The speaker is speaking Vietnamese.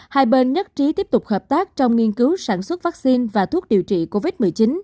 hai bên nhất trí tiếp tục hợp tác trong nghiên cứu sản xuất vaccine và thuốc điều trị covid một mươi chín